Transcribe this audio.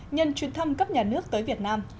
nhân chuyến thăm cấp nhà nước tới việt nam